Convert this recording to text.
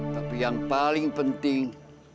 tapi yang paling penting